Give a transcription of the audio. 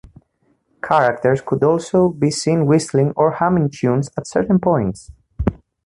Characters could also be seen whistling or humming tunes at certain points.